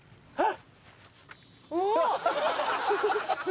あっ。